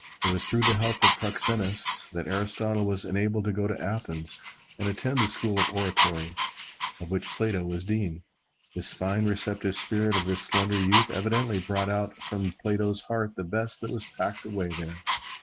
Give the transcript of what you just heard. It was through the help of Proxenus that Aristotle was enabled to go to Athens and attend the School of Oratory, of which Plato was dean. The fine, receptive spirit of this slender youth evidently brought out from Plato's heart the best that was packed away there.